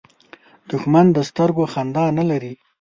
دښمن د سترګو خندا نه لري